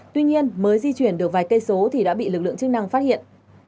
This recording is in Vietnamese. tuy nhiên mới di chuyển được vài cây số thì đã bị lực lượng chức năng phát hiện